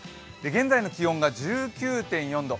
現在の気温が１９．４度。